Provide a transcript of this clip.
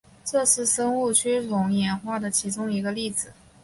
这是生物趋同演化的其中一个例子。